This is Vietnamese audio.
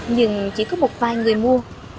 nhưng chỉ có một vài người mua